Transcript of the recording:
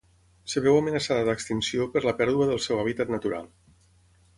Es veu amenaçada d'extinció per la pèrdua del seu hàbitat natural.